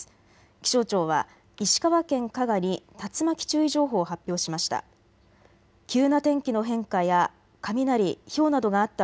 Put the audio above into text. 気象庁は石川県加賀に竜巻注意情報を発表しました。